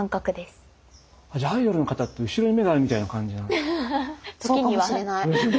じゃあアイドルの方って後ろに目があるみたいな感じなんですか？